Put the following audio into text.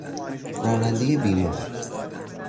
رانندهی بیمخ